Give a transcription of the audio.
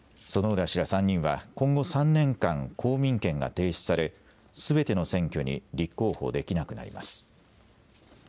薗浦氏ら３人は今後３年間、公民権が停止されすべての選挙に立候補できなくなります。